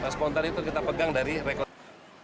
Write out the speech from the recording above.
spontan itu kita pegang dari rekor